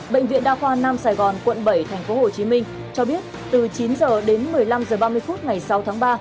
bệnh viện đa khoa nam sài gòn quận bảy tp hcm cho biết từ chín h đến một mươi năm h ba mươi phút ngày sáu tháng ba